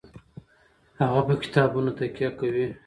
هغه په کتابونو تکیه کوي.